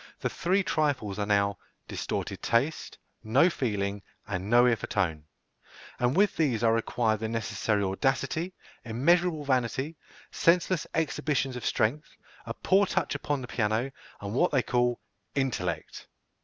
The three trifles are now distorted taste, no feeling, and no ear for tone; and with these are required the necessary audacity, immeasurable vanity, senseless exhibitions of strength, a poor touch upon the piano, and what they call "intellect."